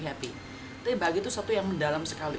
tapi bahagia itu adalah sesuatu yang mendalam sekali